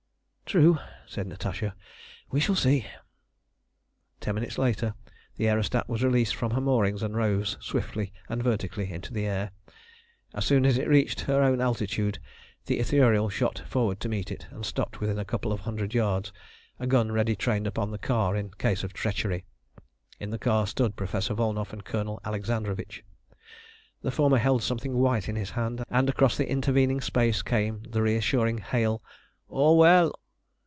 "True," said Natasha. "We shall see." Ten minutes later the aerostat was released from her moorings and rose swiftly and vertically into the air. As soon as it reached her own altitude the Ithuriel shot forward to meet it, and stopped within a couple of hundred yards, a gun ready trained upon the car in case of treachery. In the car stood Professor Volnow and Colonel Alexandrovitch. The former held something white in his hand, and across the intervening space came the reassuring hail: "All well!"